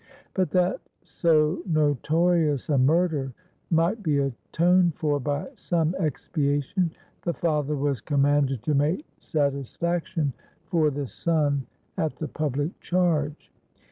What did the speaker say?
But that so notorious a murder might be atoned for by some expia tion, the father was commanded to make satisfaction 267 ROME for the son at the public charge.